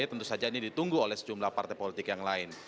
tentu saja ini ditunggu oleh sejumlah partai politik yang lain